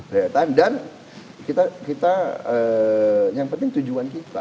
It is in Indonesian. daya tahan dan kita yang penting tujuan kita